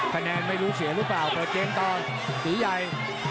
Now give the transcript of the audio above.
คะแนนไม่รู้เสียหรือเปล่าเปิดเกมตอนหรือยาย